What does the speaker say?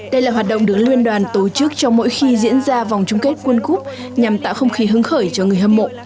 đây là hoạt động được liên đoàn tổ chức trong mỗi khi diễn ra vòng chung kết world cup nhằm tạo không khí hứng khởi cho người hâm mộ